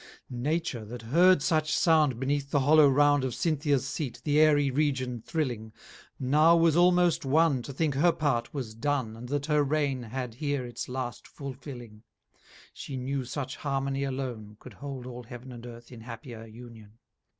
100 X Nature that heard such sound Beneath the hollow round of Cynthia's seat the Airy region thrilling, Now was almost won To think her part was don And that her raign had here its last fulfilling; She knew such harmony alone Could hold all Heav'n and Earth in happier union.